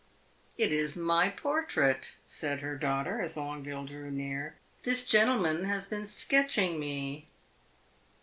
"It is my portrait," said her daughter, as Longueville drew near. "This gentleman has been sketching me."